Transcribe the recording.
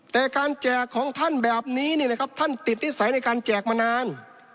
แต่การแจกของท่านแบบนี้นะครับท่านติดนิสัยในการแจกมานาน